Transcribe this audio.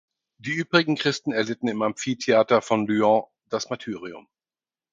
Die übrigen Christen erlitten im Amphitheater von Lyon das Martyrium.